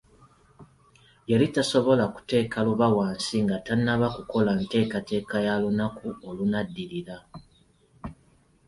Yali tasobola kuteeka luba wansi nga tannaba kukola nteekateeka ya lunaku olunaddirira.